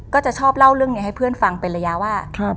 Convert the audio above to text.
ก็จะชอบเล่าเรื่องนี้ให้เพื่อนฟังเป็นระยะว่า